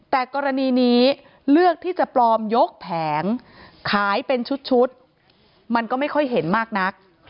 แต่กรณีนี้เลือกที่จะปลอมยกแผงขายเป็นชุดมันก็ไม่ค่อยเห็นมากนัก